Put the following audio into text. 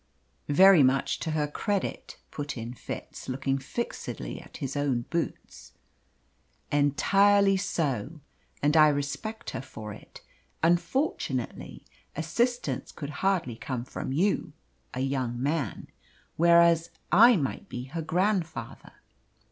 "Very much to her credit," put in Fitz, looking fixedly at his own boots. "Entirely so. And I respect her for it. Unfortunately, assistance could hardly come from you a young man. Whereas, I might be her grandfather."